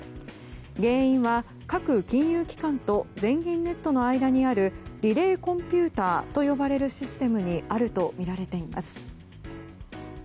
原因は各金融機関と全銀ネットの間にあるリレーコンピューターと呼ばれるシステムにあるとみられています。